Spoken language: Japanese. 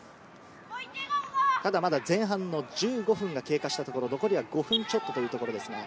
ただ、まだ前半の１５分が経過したところ、残りは５分ちょっとというところです。